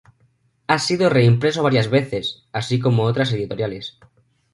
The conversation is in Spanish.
Ha sido reimpreso varias veces, así como otras editoriales.